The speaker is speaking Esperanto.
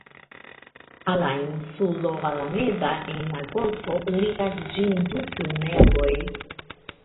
Al la insulo Alameda, en la golfo, ligas ĝin du tuneloj.